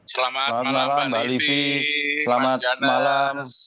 selamat malam mbak livi selamat malam